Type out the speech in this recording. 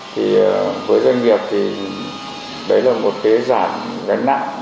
thì với doanh nghiệp thì đấy là một cái giảm gánh nặng